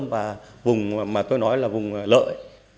và vùng mà tôi nói là vùng lợi